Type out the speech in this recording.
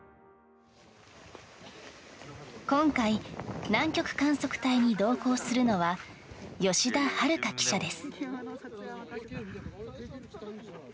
今回、南極観測隊に同行するのは吉田遥記者です。